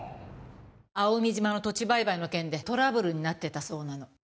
蒼海島の土地売買の件でトラブルになっていたそうなの。